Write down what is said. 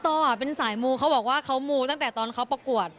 ต่อเป็นสายมูเขาบอกว่าเขามูตั้งแต่ตอนเขาประกวด